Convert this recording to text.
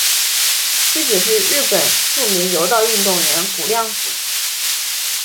妻子是日本著名柔道运动员谷亮子。